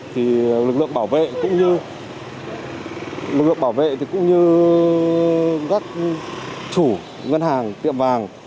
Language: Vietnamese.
thì lực lượng bảo vệ cũng như các chủ ngân hàng tiệm vàng